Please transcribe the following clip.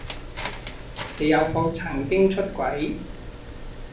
你有否曾經出軌？